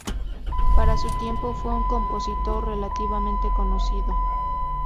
Para su tiempo fue un compositor relativamente conocido.